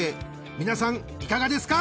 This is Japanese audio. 皆さんいかがですか？］